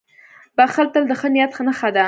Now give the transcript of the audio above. • بښل تل د ښه نیت نښه ده.